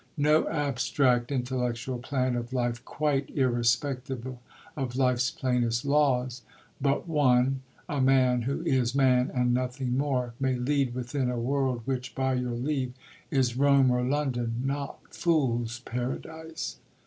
No abstract intellectual plan of life Quite irrespective of life's plainest laws, But one, a man, who is man and nothing more, May lead within a world which (by your leave) Is Rome or London, not Fool's Paradise."